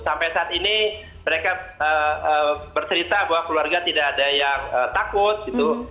sampai saat ini mereka bercerita bahwa keluarga tidak ada yang takut gitu